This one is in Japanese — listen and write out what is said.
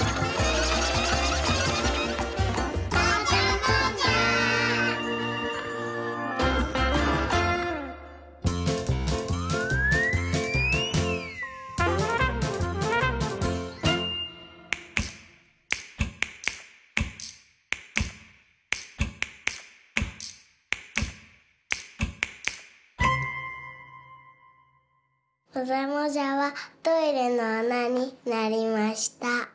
もじゃもじゃはトイレのあなになりました。